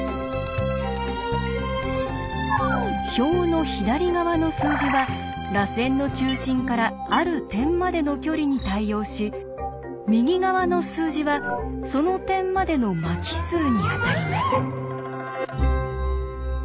表の左側の数字は「らせんの中心からある点までの距離」に対応し右側の数字は「その点までの巻き数」にあたります。